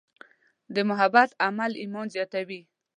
د محبت عمل ایمان زیاتوي.